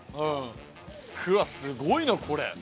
うわっすごいなこれ！